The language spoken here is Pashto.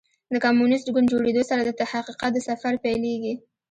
د کمونیسټ ګوند جوړېدو سره د حقیقت سفر پیلېږي.